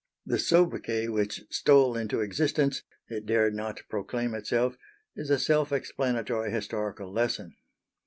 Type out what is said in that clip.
The soubriquet which stole into existence it dared not proclaim itself is a self explanatory historical lesson.